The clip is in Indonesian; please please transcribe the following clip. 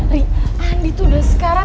ri andi tuh udah sekarang